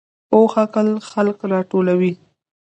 پوخ عقل خلک راټولوي